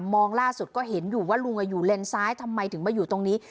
ล่าสุดก็เห็นอยู่ว่าลุงอยู่เลนซ้ายทำไมถึงมาอยู่ตรงนี้